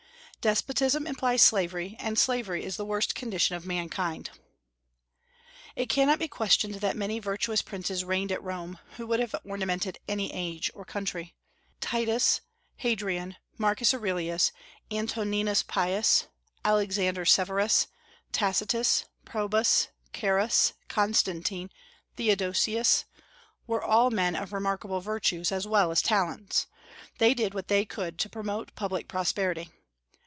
Despotism implies slavery, and slavery is the worst condition of mankind. It cannot be questioned that many virtuous princes reigned at Rome, who would have ornamented any age or country. Titus, Hadrian, Marcus Aurelius, Antoninus Pius, Alexander Severus, Tacitus, Probus, Carus, Constantine, Theodosius, were all men of remarkable virtues as well as talents. They did what they could to promote public prosperity.